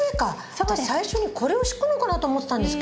私最初にこれを敷くのかなと思ってたんですけど。